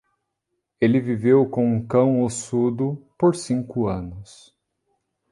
Ele viveu com um cão ossudo por cinco anos.